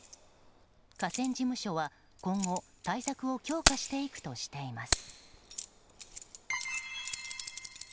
河川事務所は今後対策を強化していくとしています。